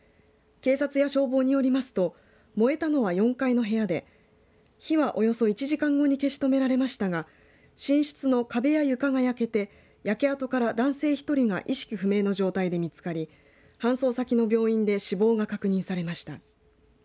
警察や消防によりますと燃えたのは４階の部屋で火はおよそ１時間後に消し止められましたが寝室の壁や床が焼けて焼け跡から男性１人が意識不明の状態で見つかり搬送先の病院で死亡が確認されました。